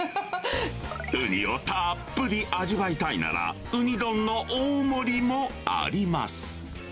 ウニをたーっぷり味わいたいなら、うに丼の大盛りもあります。